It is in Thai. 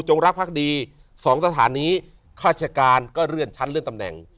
รักภักดีสองสถานีข้าราชการก็เลื่อนชั้นเลื่อนตำแหน่ง